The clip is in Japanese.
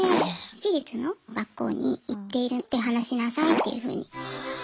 私立の学校に行っているって話しなさいっていうふうに言われていました。